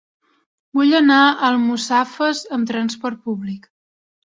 Vull anar a Almussafes amb transport públic.